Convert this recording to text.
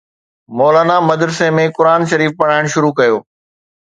مولانا مدرسي ۾ قرآن شريف پڙهائڻ شروع ڪيو